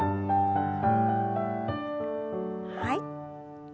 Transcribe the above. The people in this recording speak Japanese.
はい。